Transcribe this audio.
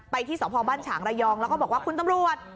ที่สพบ้านฉางระยองแล้วก็บอกว่าคุณตำรวจ